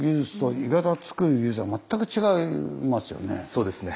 そうですね。